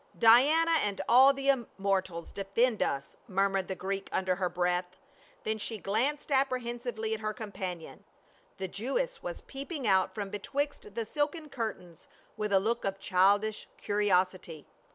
"Diana and all the immortals defend us!" mur mured the Greek under her breath. Then she glanced apprehensively at her companion. The Jewess was peering out from betwixt the silken curtains with a look of childish curiosity.